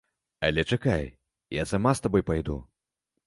Але чакай, я сама з табой пайду.